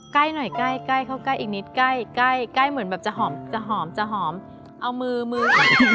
ใกล้หน่อยใกล้ใกล้เข้าใกล้อีกนิดใกล้ใกล้เหมือนแบบจะหอมจะหอมจะหอมเอามือมือ